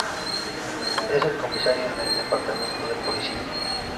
Es el comisario del departamento de policía.